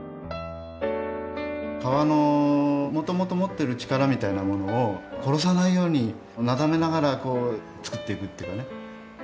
革のもともと持ってる力みたいなものを殺さないようになだめながら作っていくっていうかね